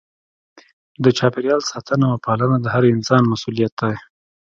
د چاپیریال ساتنه او پالنه د هر انسان مسؤلیت دی.